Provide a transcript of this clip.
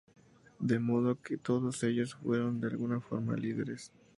De modo que todos ellos fueron, de alguna forma, líderes.